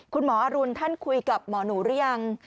คุณหมออรุณท่านคุยกับหมอหนูหรือยัง